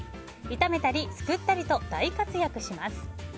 炒めたり、すくったりと大活躍します。